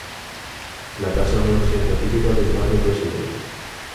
La casa es una residencia típica de un barrio de clase media.